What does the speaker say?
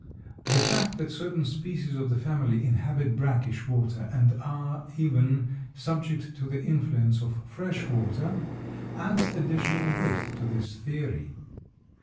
The fact that certain species of the family inhabit brackish water and are even subject to the influence of fresh water, adds additional weight to this theory.